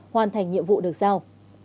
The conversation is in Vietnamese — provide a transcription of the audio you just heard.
hoàn thành nhiệm vụ được sao